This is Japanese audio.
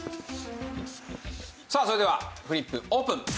さあそれではフリップオープン！